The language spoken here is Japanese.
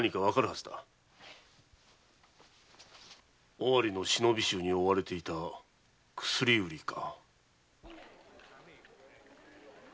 尾張の「忍び衆」に追われていた薬売りか。